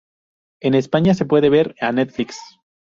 En España se puede ver a Netflix.